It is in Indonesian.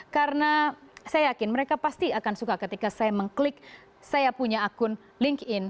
karena saya yakin mereka pasti akan suka ketika saya mengklik saya punya akun linkedin